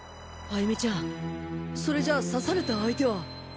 歩美ちゃんそれじゃあ刺された相手は。